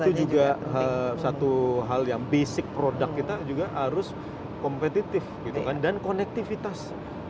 itu juga satu hal yang basic product kita juga harus kompetitif gitu kan dan konektivitas